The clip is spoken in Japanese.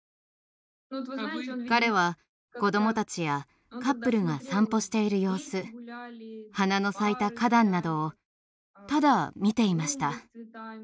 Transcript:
彼は子どもたちやカップルが散歩している様子花の咲いた花壇などをただ見ていました。